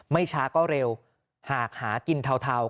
ไม่ช้าก็เร็วหากหากินเทา